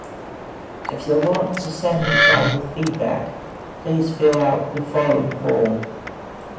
If you want to send me private feedback, please fill out the following form.